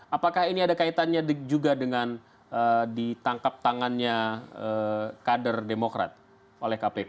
apakah ini ada kaitannya juga dengan ditangkap tangannya kader demokrat oleh kpk